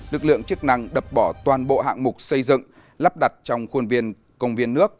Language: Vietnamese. lực lượng chức năng đập bỏ toàn bộ hạng mục xây dựng lắp đặt trong khuôn viên công viên nước